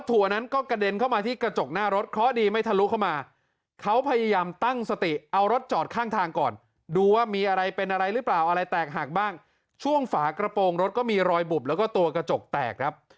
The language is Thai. อะไรแตกหากบ้างช่วงฝากระโปรงรถก็มีรอยบุบแล้วก็ตัวกระจกแตกครับ